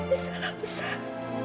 ini salah besar